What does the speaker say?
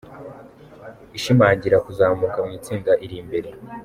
Ishimangira kuzamuka mu itsinda iri imbere.